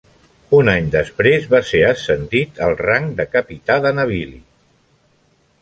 Un any després va ser ascendit al rang de capità de navili.